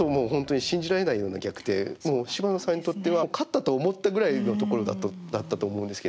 芝野さんにとっては勝ったと思ったぐらいのところだったと思うんですけど。